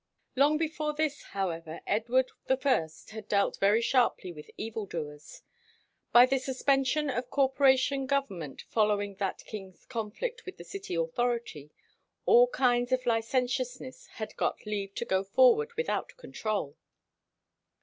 Long before this, however, Edward I had dealt very sharply with evil doers. By the suspension of corporation government following that king's conflict with the city authority, "all kinds of licentiousness had got leave to go forward without control."